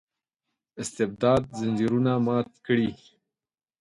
استبداد ځنځیرونه مات کړي.